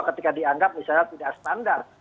ketika dianggap misalnya tidak standar